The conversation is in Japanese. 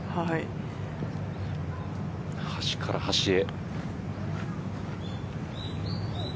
端から端へ。